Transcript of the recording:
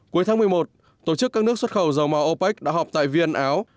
cuối tháng một mươi một tổ chức các nước xuất khẩu dầu màu opec đã họp tại viên áo